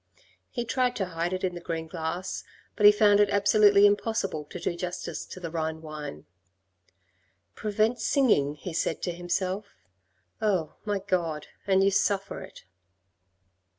He tried to hide it in the green glass, but he found it absolutely impossible to do justice to the Rhine wine. " Pre venting singing he said to himself: Oh, my God, and you suffer it."